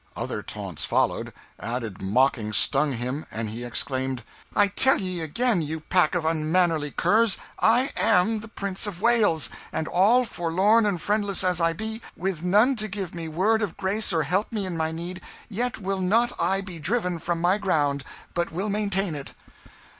Other taunts followed, added mockings stung him, and he exclaimed "I tell ye again, you pack of unmannerly curs, I am the Prince of Wales! And all forlorn and friendless as I be, with none to give me word of grace or help me in my need, yet will not I be driven from my ground, but will maintain it!"